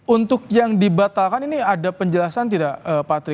untuk yang dibatalkan ini ada penjelasan tidak pak tri